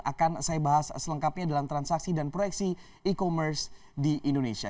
akan saya bahas selengkapnya dalam transaksi dan proyeksi e commerce di indonesia